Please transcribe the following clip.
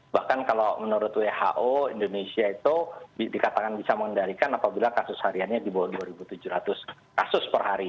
bahkan kalau menurut who indonesia itu dikatakan bisa mengendalikan apabila kasus hariannya di bawah dua tujuh ratus kasus per hari